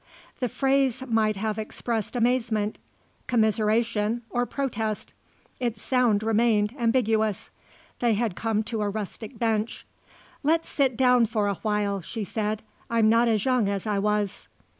The phrase might have expressed amazement, commiseration or protest; its sound remained ambiguous. They had come to a rustic bench. "Let's sit down for a while," she said; "I'm not as young as I was."